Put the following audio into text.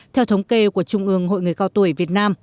theo thống kê của trung ương hội người cao tuổi việt nam